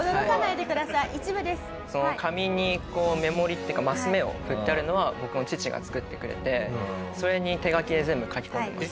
紙に目盛りっていうかマス目を振ってあるのは僕の父が作ってくれてそれに手書きで全部書き込んでます。